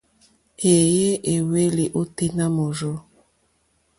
Éèyé éhwélì ôténá mòrzô.